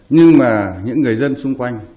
nhưng mà những người dân xung quanh